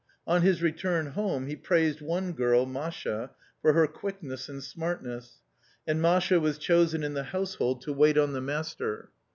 On his return home he praised one girl, Masha, for her quickness and smartness, and Masha was chosen in the household to " wait on the master."